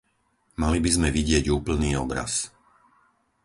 Mali by sme vidieť úplný obraz.